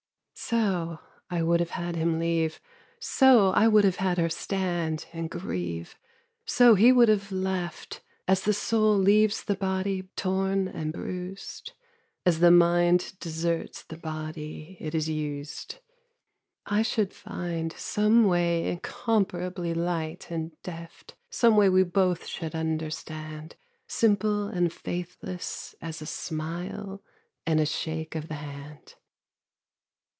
So I would have had him leave, So I would have had her stand and grieve, So he would have left As the soul leaves the body torn and bruised, As the mind deserts the body it has used. I should find Some way incomparably light and deft, Some way we both should understand, Simple and faithless as a smile and shake of the hand.